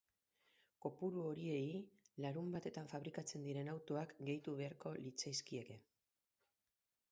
Kopuru horiei larunbatetan fabrikatzen diren autoak gehitu beharko litzaizkieke.